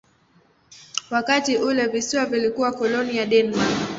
Wakati ule visiwa vilikuwa koloni ya Denmark.